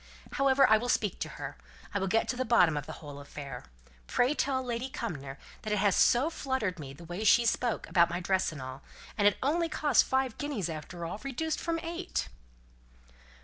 "However, I will speak to her; I will get to the bottom of the whole affair. Pray tell Lady Cumnor that it has so fluttered me the way she spoke, about my dress and all. And it only cost five guineas after all, reduced from eight!"